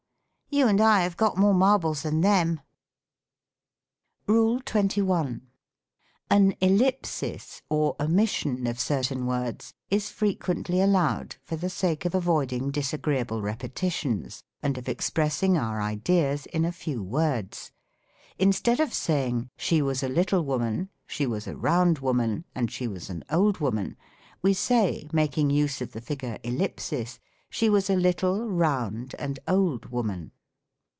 "You and I have got more marbles than the/n." 7 98 THE COMIC e:nglish grammar. RULE XXI. An ellipsis, or omission of certain words, is frequent ly allowed, for the sake of avoiding disagreeable repeti tions, and of expressing our ideas in a few words. In stead of saying, " She was a little woman, she was a round woman, and she was an old woman," we say, making use of the figure Ellipsis, " She was a little, round, and old woman."